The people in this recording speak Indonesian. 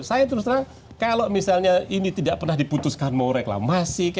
saya terus terang kalau misalnya ini tidak pernah diputuskan mau reklamasi